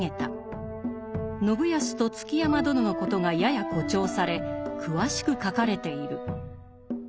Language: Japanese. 信康と築山殿のことがやや誇張され詳しく書かれている。